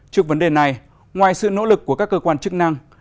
trước vấn đề này ngoài sự nỗ lực của các cơ quan chức năng